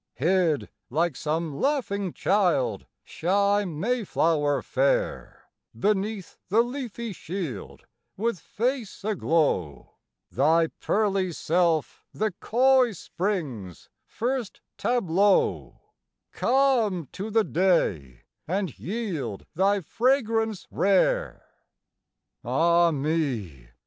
Hid, like some laughing child, shy Mayflower fair, Beneath the leafy shield, with face aglow, Thy pearly self the coy spring's first tableau, Come to the day and yield thy fragrance rare! Ah me!